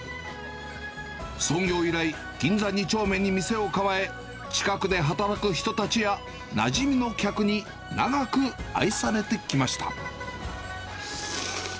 創業以来、銀座２丁目に店を構え、近くで働く人たちやなじみの客に長く愛されてきました。